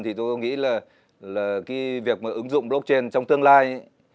thì tôi nghĩ là cái việc mà ứng dụng blockchain trong tương lai